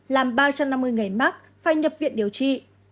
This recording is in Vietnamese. làm ba trăm năm mươi người mắc phải nhập viện điều trị